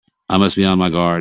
I must be on my guard!